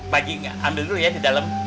pak haji ambil dulu ya di dalam